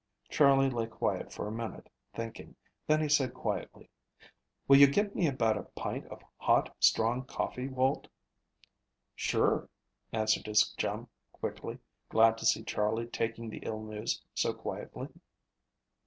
Charley lay quiet for a minute thinking, then he said quietly: "Will you get me about a pint of hot, strong coffee, Walt?" "Sure," answered his chum quickly, glad to see Charley taking the ill news so quietly.